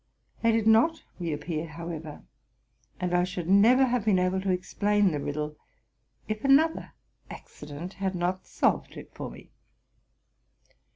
They did not re appear, however; and I should never have been able to explain the riddle if another accident had not solved it for me.